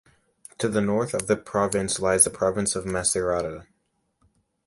To the north of the province lies the Province of Macerata.